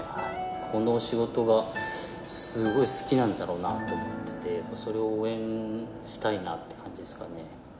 この仕事が、すごい好きなんだろうなと思ってて、それを応援したいなって感じですかね。